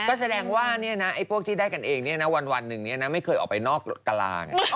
ก็แสดงว่าเนี้ยนะไอ้พวกที่ได้กันเองเนี้ยนะวันหนึ่งเนี้ยนะไม่เคยออกไปนอกกราเนี้ย